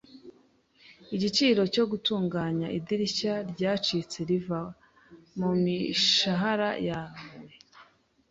Igiciro cyo gutunganya idirishya ryacitse riva mumishahara yawe.